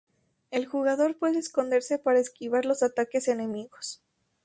El jugador puede esconderse para esquivar los ataques enemigos.